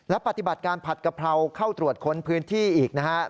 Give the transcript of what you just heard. และปฏิบัติการผัดกะเพราเข้าตรวจค้นพื้นที่อีกนะครับ